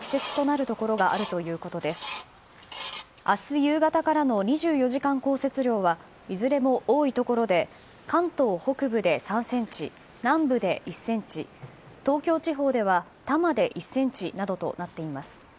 夕方からの２４時間降雪量はいずれも多いところで関東北部で３ｃｍ南部で１ｃｍ東京地方では多摩で１ｃｍなどとなっています。